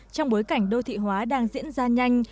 trong bối cảnh đô thị hóa đang diễn ra nhanh